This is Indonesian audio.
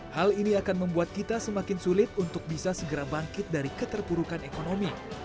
hal ini akan membuat kita semakin sulit untuk bisa segera bangkit dari keterpurukan ekonomi